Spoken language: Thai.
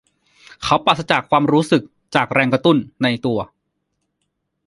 เขาปราศจากความรู้สึกจากแรงกระตุ้นในตัว